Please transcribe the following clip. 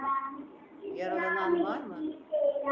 Yaralanan var mı?